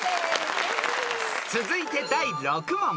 ［続いて第６問］